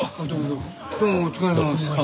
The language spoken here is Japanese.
どうもお疲れさまです。